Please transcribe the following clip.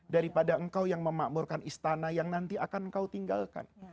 daripada engkau yang memakmurkan istana yang nanti akan engkau tinggalkan